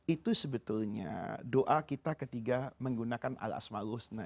itu sebetulnya doa kita ketiga menggunakan al asma'ul husna